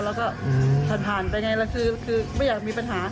แล้วก็ผ่านไปไงแล้วคือไม่อยากมีปัญหา